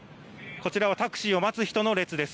こちらはタクシーを待つ人の列です。